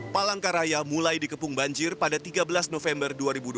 palangkaraya mulai dikepung banjir pada tiga belas november dua ribu dua puluh